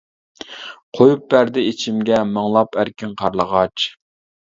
قۇيۇپ بەردى ئىچىمگە، مىڭلاپ ئەركىن قارلىغاچ.